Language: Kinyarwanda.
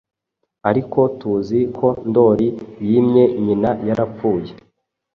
Ariko tuzi ko Ndori yimye nyina yarapfuye: